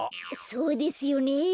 そうですよねえ。